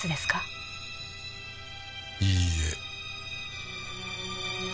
いいえ。